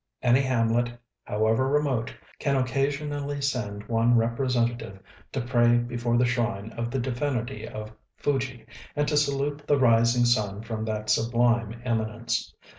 Any hamlet, however remote, can occasionally send one representative to pray before the shrine of the divinity of Fuji, and to salute the rising sun from that sublime eminence.